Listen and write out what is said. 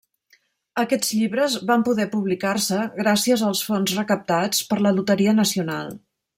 Aquests llibres van poder publicar-se gràcies als fons recaptats per la loteria nacional.